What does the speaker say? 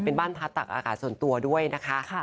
เป็นบ้านพักตักอากาศส่วนตัวด้วยนะคะ